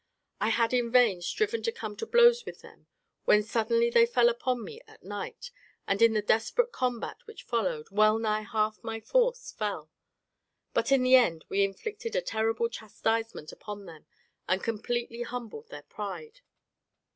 I had in vain striven to come to blows with them, when suddenly they fell upon me at night, and in the desperate combat which followed, well nigh half my force fell; but in the end we inflicted a terrible chastisement upon them and completely humbled their pride."